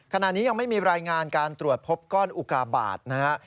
ขณะนี้ยังไม่มีรายงานการตรวจพบก้อนอุกาบาทนะฮะ